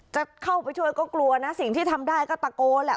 จะเข้าไปช่วยก็กลัวนะสิ่งที่ทำได้ก็ตะโกนแหละ